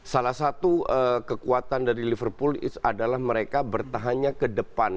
salah satu kekuatan dari liverpool adalah mereka bertahannya ke depan